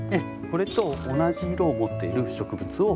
これと同じ色を持っている植物を組み合わせて。